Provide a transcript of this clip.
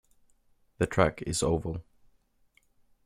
The track is a oval.